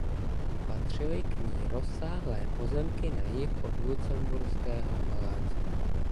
Patřily k ní rozsáhlé pozemky na jih od Lucemburského paláce.